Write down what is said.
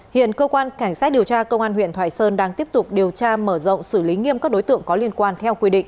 hiện cơ quan cảnh sát điều tra công an huyện thoại sơn đang tiếp tục điều tra mở rộng xử lý nghiêm các đối tượng có liên quan theo quy định